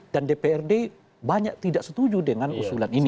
dan dprd banyak tidak setuju dengan usulan ini